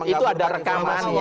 itu ada rekaman